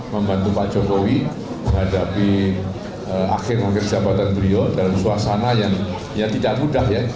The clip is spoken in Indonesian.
membantu pak jokowi menghadapi akhir akhir jabatan beliau dalam suasana yang ya tidak mudah ya